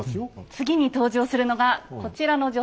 次に登場するのがこちらの女性です。